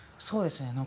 そうですね。